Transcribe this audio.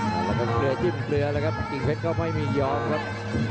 แล้วก็เหนือจิ้มเหนือแล้วครับกิ้งเพชรก็ไม่มียอมครับ